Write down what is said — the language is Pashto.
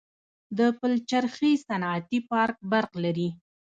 د پلچرخي صنعتي پارک برق لري؟